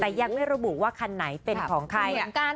แต่ยังไม่ระบุว่าคันไหนเป็นของใคร